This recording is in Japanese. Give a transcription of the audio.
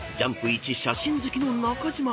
いち写真好きの中島］